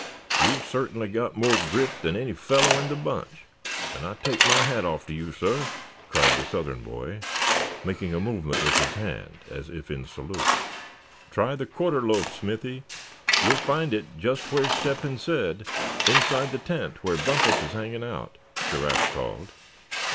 "You've certainly got more grit than any fellow in the bunch; and I take off my hat to you, suh!" cried the Southern boy, making a movement with his hand as if in salute. "Try the quarter loaf, Smithy; you'll find it just where Step hen said, inside the tent where Bumpus is hanging out," Giraffe called.